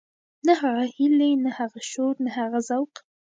نه هغه هيلې نه هغه شور نه هغه ذوق.